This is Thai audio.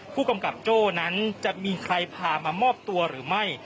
ผู้กำกับโจ้นั้นจะมีใครพามามอบตัวหรือไม่